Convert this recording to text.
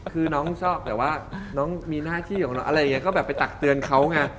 คือน้องชอบแต่ว่าน้องมีหน้าที่ของน้องอะไรอย่างนี้ก็แบบไปตักเตือนเขาไง